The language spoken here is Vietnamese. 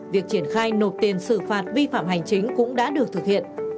việc triển khai nộp tiền xử phạt vi phạm hành chính cũng đã được thực hiện